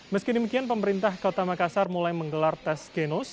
meski demikian pemerintah kota makassar mulai menggelar tes genus